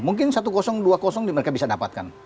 mungkin satu kosong dua kosong mereka bisa dapatkan